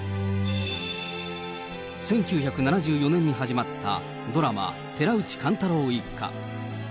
１９７４年に始まったドラマ、寺内貫太郎一家。